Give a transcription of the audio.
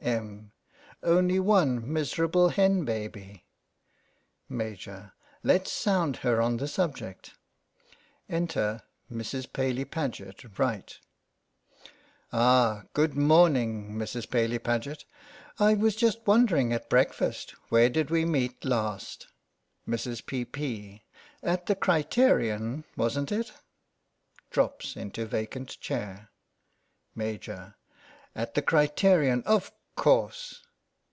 Em. : Only one miserable hen baby. Maj, : Let's sound her on the subject. (Enter Mrs. Paly Paget, R.) Ah, good morning. Mrs. Paly Paget. I was just wondering at breakfast where did we meet last? Mrs. P, P,: At the Criterion, wasn't it? (Drops into vacant chair.) Maj, : At the Criterion, of course.